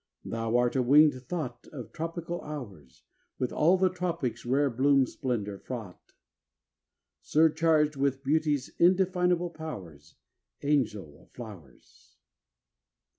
Thou art a winged thought Of tropical hours, With all the tropics' rare bloom splendor frought; Surcharged with beauty's indefinable powers, Angel of flowers!